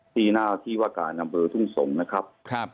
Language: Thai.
ที่หน้าที่วากาศน้ำเผลอทุ่งสงศ์นะครับครับ